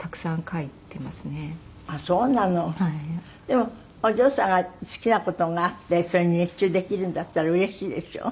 でもお嬢さんが好きな事があってそれに熱中できるんだったらうれしいでしょ？